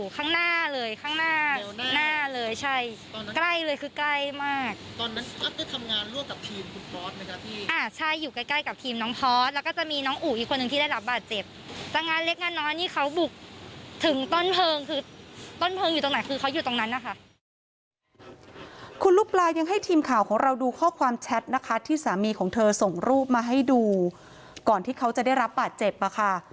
คุณลูกปลายังให้ทีมข่าวของเราดูข้อความแชทนะคะที่สามีของเธอส่งรูปมาให้ดูก่อนที่เขาจะได้รับบาดเจ็บค่ะ